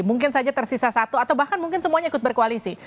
mungkin saja tersisa satu atau bahkan mungkin semuanya ikut berkoalisi